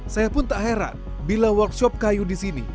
saya pun tak heran bila workshop kayu di sini